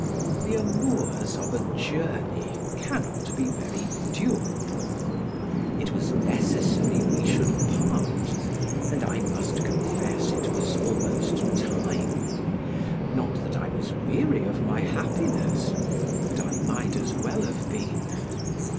The amours of a journey cannot be very durable: it was necessary we should part, and I must confess it was almost time; not that I was weary of my happiness, but I might as well have been.